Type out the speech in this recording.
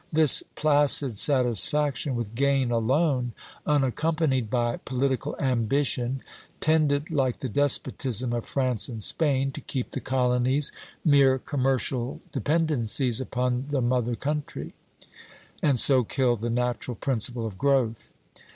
This placid satisfaction with gain alone, unaccompanied by political ambition, tended, like the despotism of France and Spain, to keep the colonies mere commercial dependencies upon the mother country, and so killed the natural principle of growth.